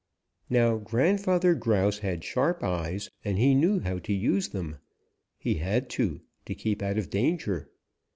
"Now Grandfather Grouse had sharp eyes, and he knew how to use them. He had to, to keep out of danger.